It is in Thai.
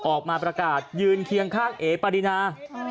ออกมาประกาศยืนเคียงข้างเอ๋ปารินา